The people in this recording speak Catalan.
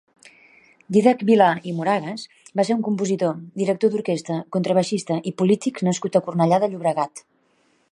Dídac Vilà i Moragues va ser un compositor, director d'orquestra, contrabaixista i polític nascut a Cornellà de Llobregat.